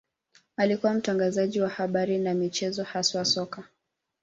Alikuwa mtangazaji wa habari na michezo, haswa soka.